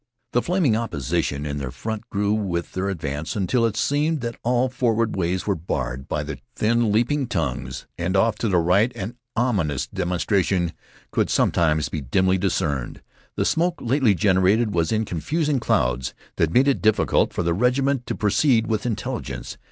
The flaming opposition in their front grew with their advance until it seemed that all forward ways were barred by the thin leaping tongues, and off to the right an ominous demonstration could sometimes be dimly discerned. The smoke lately generated was in confusing clouds that made it difficult for the regiment to proceed with intelligence.